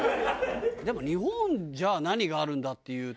でも日本じゃ何があるんだっていうと。